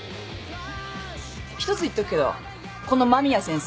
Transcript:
１つ言っとくけどこの間宮先生